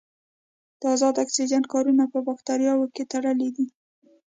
د ازاد اکسیجن کارونه په باکتریاوو کې تړلې ده.